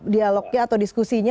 dialognya atau diskusinya